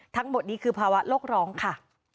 ทั้งหมดนี้คือภาวะโลกร้องค่ะ